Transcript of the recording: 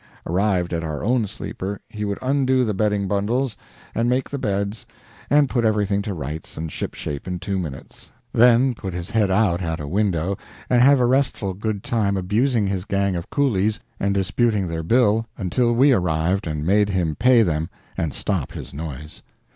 Arrived at our own sleeper, he would undo the bedding bundles and make the beds and put everything to rights and shipshape in two minutes; then put his head out at a window and have a restful good time abusing his gang of coolies and disputing their bill until we arrived and made him pay them and stop his noise.